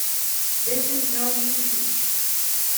This is no mean feat.